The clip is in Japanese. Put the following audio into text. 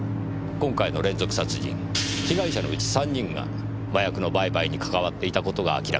今回の連続殺人被害者のうち３人が麻薬の売買に関わっていた事が明らかになりました。